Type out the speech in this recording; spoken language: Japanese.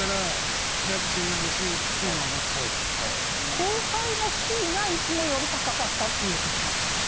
後輩のキーがいつもより高かったっていうことなんですね。